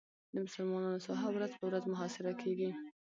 د مسلمانانو ساحه ورځ په ورځ محاصره کېږي.